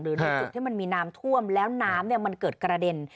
ในจุดที่มันมีน้ำท่วมแล้วน้ำมันเกิดกระเด็น